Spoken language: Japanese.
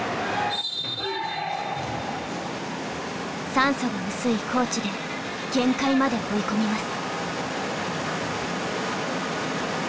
酸素が薄い高地で限界まで追い込みます。